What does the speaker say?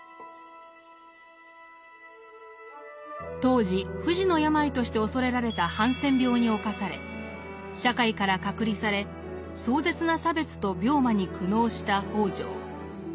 当時不治の病として恐れられたハンセン病に冒され社会から隔離され壮絶な差別と病魔に苦悩した北條。